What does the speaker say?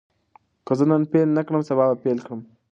که زه نن پیل نه کړم، سبا به پیل کړم.